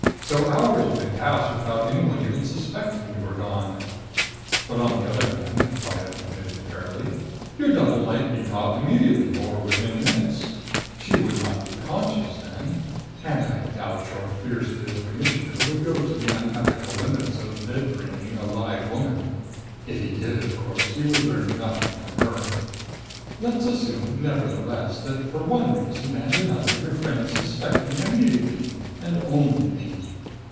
So hours might pass without anyone even suspecting you were gone. "But on the other hand," Lyad admitted fairly, "your double might be caught immediately or within minutes. She would not be conscious then, and I doubt your fierce little Commissioner would go to the unethical limits of dead braining a live woman. If he did, of course, he would learn nothing from her. "Let's assume, nevertheless, that for one reason and another your friends suspect me immediately, and only me.